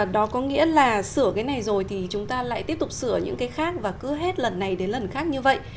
đó có nghĩa là sửa cái này rồi thì chúng ta lại tiếp tục sửa những cái khác và cứ hết lần này đến lần khác như vậy